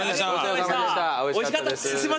おいしかったです。